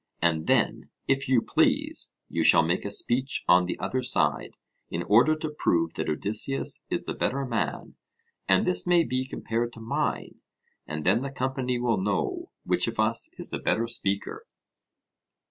And then, if you please, you shall make a speech on the other side, in order to prove that Odysseus is the better man; and this may be compared to mine, and then the company will know which of us is the better speaker.